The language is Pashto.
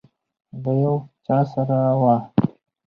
د یو چا سره وه.